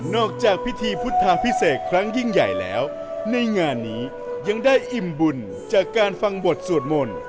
จากพิธีพุทธาพิเศษครั้งยิ่งใหญ่แล้วในงานนี้ยังได้อิ่มบุญจากการฟังบทสวดมนต์